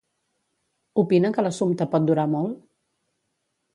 Opina que l'assumpte pot durar molt?